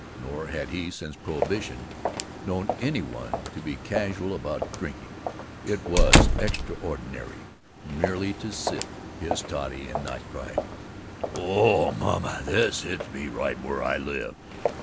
Nor had he, since prohibition, known any one to be casual about drinking. It was extraordinary merely to sip his toddy and not cry, "Oh, maaaaan, this hits me right where I live!"